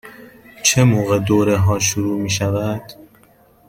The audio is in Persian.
چه موقع دوره ها شروع می شود؟